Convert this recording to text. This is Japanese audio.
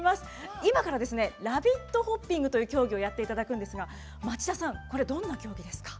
今からラビットホッピングという競技をやっていただくんですが町田さん、どんな競技ですか？